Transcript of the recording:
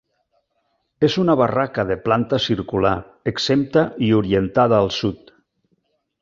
És una barraca de planta circular, exempta i orientada al sud.